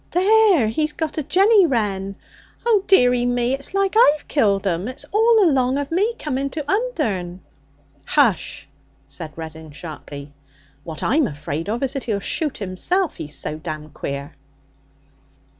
There! He's got a jenny wren. Oh, dearie me! it's like I've killed 'em; it's all along of me coming to Undern.' 'Hush!' said Reddin sharply. 'What I'm afraid of is that he'll shoot himself, he's so damned queer.'